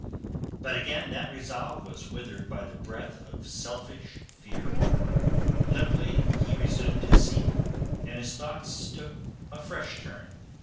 But again that resolve was withered by the breath of selfish fear. Limply he resumed his seat, and his thoughts took a fresh turn.